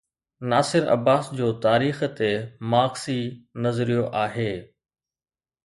ناصر عباس جو تاريخ تي مارڪسي نظريو آهي.